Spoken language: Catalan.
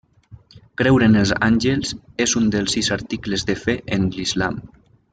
Creure en els àngels és un dels sis articles de Fe en l'Islam.